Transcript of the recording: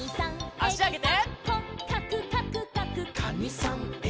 あしあげて。